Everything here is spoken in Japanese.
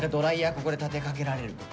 ここで立てかけられるとか。